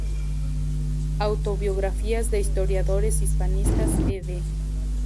Autobiografías de historiadores hispanistas, Ed.